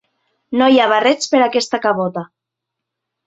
No hi ha barrets per a aquesta cabota.